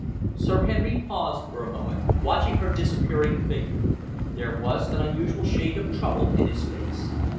Sir Henry paused for a moment, watching her disappearing figure. There was an unusual shade of trouble in his face.